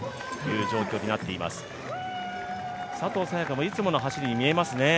也伽もいつもの走りに見えますね。